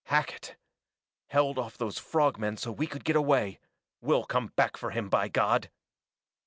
"Hackett! Held off those frog men so we could get away we'll come back for him, by God!"